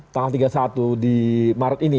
tanggal tiga puluh satu di maret ini